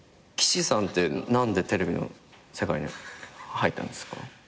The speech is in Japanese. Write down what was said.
岸さんって何でテレビの世界に入ったんですか？